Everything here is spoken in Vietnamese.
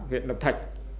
huyện lập thạch